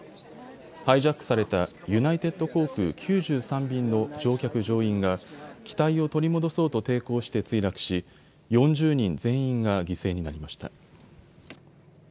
ハイジャックされたユナイテッド航空９３便の乗客乗員が機体を取り戻そうと抵抗して墜落し４０人全員が犠牲になりました。